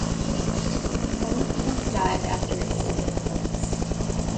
Kulikov died after extended illness.